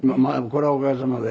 これはおかげさまで。